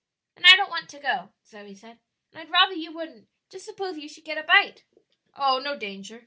'" "Then I don't want to go," Zoe said, "and I'd rather you wouldn't; just suppose you should get a bite?" "Oh, no danger!"